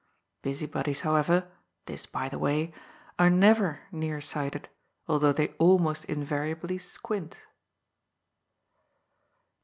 Busybodies, however — ^this by the way — are never near sighted, although they almost invariably squint.